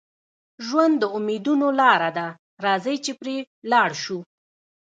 ژوند د امیدونو لاره ده، راځئ چې پرې ولاړ شو.